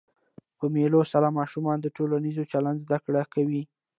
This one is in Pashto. په مېلو سره ماشومان د ټولنیز چلند زده کړه کوي.